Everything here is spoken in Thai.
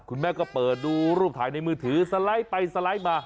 คุณแม่ก็เปิดดูรูปถ่ายในมือถือสไลด์ไปสไลด์มา